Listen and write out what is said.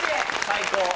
最高！